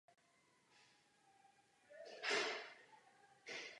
Ti se kromě "práce pro ministerstvo" věnovali i ilegální činnosti.